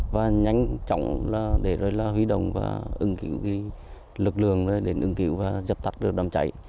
và nhanh chóng để huy động và ứng cứu lực lượng để ứng cứu và dập tắt được đám cháy